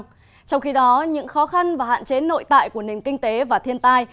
trong khi đó những khó khăn và hạn chế nội tại của nền kinh tế và thiên tai